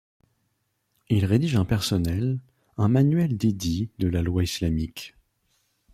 Il rédige un personnel, un manuel d'édits de la loi islamique.